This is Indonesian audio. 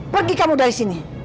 pergi kamu dari sini